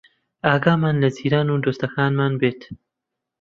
ئاگامان لە جیران و دۆستەکانمان بێت